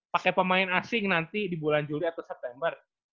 pakai pemain asing nanti di bulan juli atau september